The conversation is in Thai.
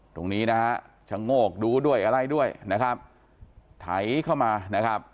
ตรงนี้นะฮะชะโงกดูด้วยอะไรด้วยนะครับไถเข้ามานะครับ